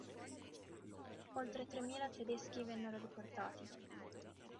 Oltre tremila tedeschi vennero deportati.